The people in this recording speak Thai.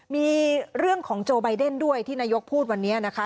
มีเรื่องของโจไบเดนด้วยที่นายกพูดวันนี้นะคะ